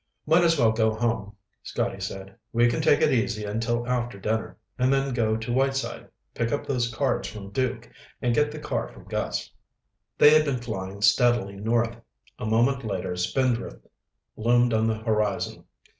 "Might as well go home," Scotty said. "We can take it easy until after dinner, and then go to Whiteside, pick up those cards from Duke and get the car from Gus." They had been flying steadily north. A moment later Spindrift loomed on the horizon.